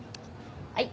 はい。